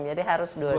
jadi harus dua duanya